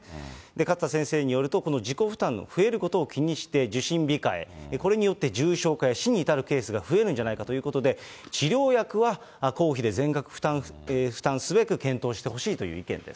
勝田先生によると、この自己負担の増えることを気にして受診控え、これによって、重症化や死に至るケースが増えるんじゃないかということで、治療薬は公費で全額負担すべく、検討してほしいという意見です。